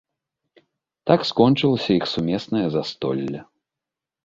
Так скончылася іх сумеснае застолле.